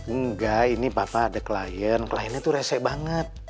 enggak ini papa ada klien kliennya tuh rese banget